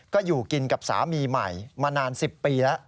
ก็อยู่กินกับสามีใหม่มานาน๑๐ปีแล้ว